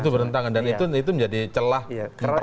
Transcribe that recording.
itu bertentangan dan itu menjadi celah pertama